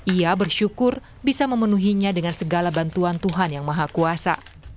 ia bersyukur bisa memenuhinya dengan segala bantuan tuhan yang maha kuasa